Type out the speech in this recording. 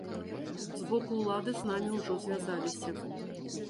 З боку ўлады з намі ўжо звязаліся.